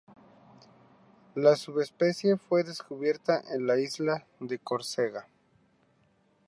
La subespecie fue descubierta en la isla de Córcega.